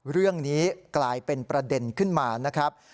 เรื่องนี้กลายเป็นประเด็นขึ้นมานะครับ